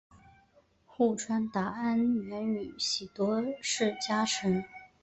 户川达安原宇喜多氏家臣。